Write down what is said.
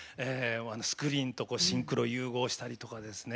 スクリーンとシンクロ融合したりとかですね。